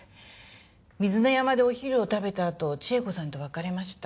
水根山でお昼を食べたあと千恵子さんと別れました。